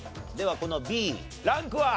はこのＢランクは？